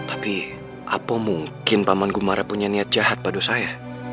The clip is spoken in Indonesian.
tapi apa mungkin paman gumara punya niat jahat pada saya